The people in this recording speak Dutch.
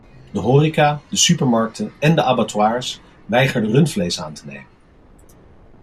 De horeca, de supermarkten en de abattoirs weigerden rundvlees aan te nemen.